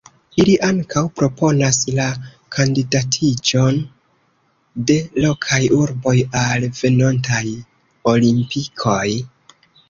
Ili ankaŭ proponas la kandidatiĝon de lokaj urboj al venontaj Olimpikoj.